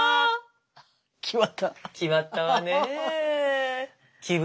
決まったわね。